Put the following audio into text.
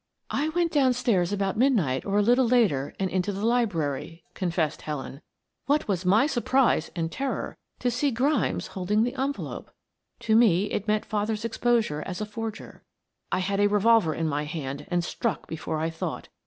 "I went downstairs about midnight or a little later and into the library," confessed Helen. "What was my surprise and terror to see Grimes holding the envelope. To me it meant father's exposure as a forger. I had a revolver in my hand and struck before I thought.